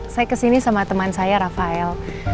saya ke sini sama teman saya rafael